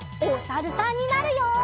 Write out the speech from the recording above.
おさるさんになるよ！